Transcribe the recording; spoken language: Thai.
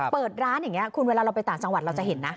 เปิดร้านเยี่ยมเวลาไปต่างจังหวัดเราจะเห็นนะ